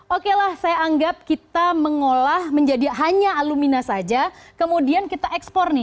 oke lah saya anggap kita mengolah menjadi hanya alumina saja kemudian kita ekspor nih